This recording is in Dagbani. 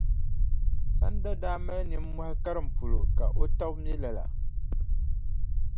Sanda daa mali nimmohi karim polo ka o taba mi lala.